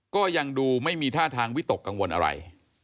ก็ยังดูไม่มีท่าทางวิตกกังวลอะไร